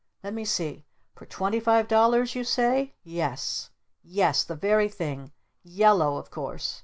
Let me see! For twenty five dollars you say? Yes Yes! The very thing! Yellow of course!